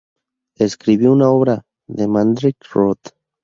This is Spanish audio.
Escribió una obra, "The Mandrake Root".